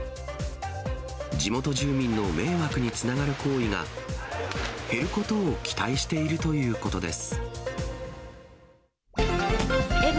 地元住民の迷惑につながる行為が減ることを期待しているということです。